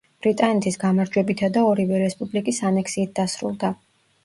ბრიტანეთის გამარჯვებითა და ორივე რესპუბლიკის ანექსიით დასრულდა.